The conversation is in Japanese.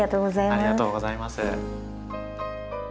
ありがとうございます。